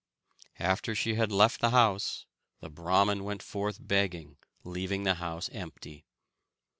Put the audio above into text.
After she had left the house, the Brahmin went forth begging, leaving the house empty.